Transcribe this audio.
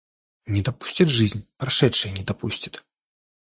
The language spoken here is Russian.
Не допустит жизнь, прошедшее не допустит.